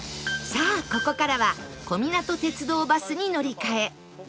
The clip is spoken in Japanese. さあここからは小湊鐵道バスに乗り換え